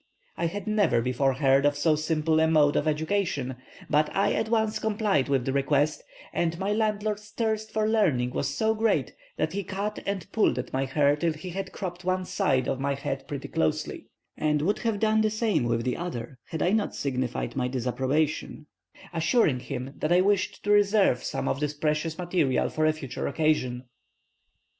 I had never before heard of so simple a mode of education, but I at once complied with the request; and my landlord's thirst for learning was so great that he cut and pulled at my hair till he had cropped one side of my head pretty closely, and would have done the same with the other had I not signified my disapprobation, assuring him that I wished to reserve some of this precious material for a future occasion."